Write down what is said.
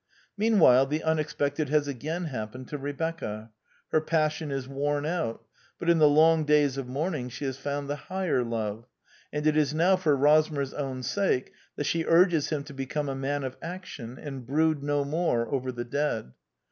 Mean while the unexpected has again happened to Re becca. Her passion is worn out; but in the long days of mourning she has found the higher love ; and it is now for Rosmer's own sake that she urges him to become a man of action, and brood no more oyer the dead.